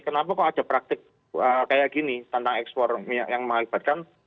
kenapa kok ada praktik kayak gini tentang ekspor minyak yang mengakibatkan